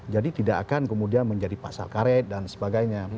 jadi tidak akan kemudian menjadi pasal karet dan sebagainya